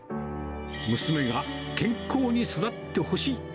娘が健康に育ってほしい。